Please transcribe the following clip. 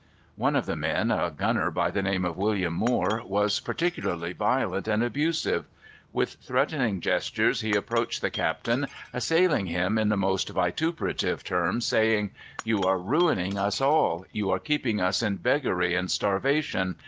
One of the men, a gunner by the name of William Moore, was particularly violent and abusive. With threatening gestures he approached the captain, assailing him in the most vituperative terms, saying: "You are ruining us all. You are keeping us in beggary and starvation.